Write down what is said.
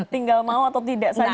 tinggal mau atau tidak saja